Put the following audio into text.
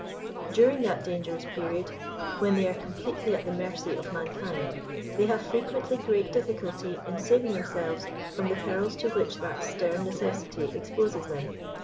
During that dangerous period, when they are completely at the mercy of mankind, they have frequently great difficulty in saving themselves from the perils to which that stern necessity exposes them.